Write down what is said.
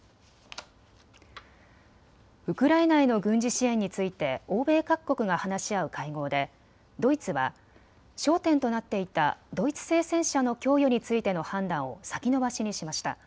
ウクライナへの軍事支援について欧米各国が話し合う会合でドイツは焦点となっていたドイツ製戦車の供与についての判断を先延ばしにしました。